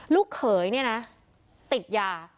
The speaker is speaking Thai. ลูกเขยเนี่ยนะติดยา